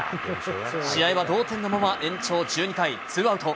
試合は同点のまま、延長１２回、ツーアウト。